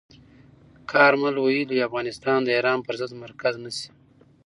کارمل ویلي، افغانستان د ایران پر ضد مرکز نه شي.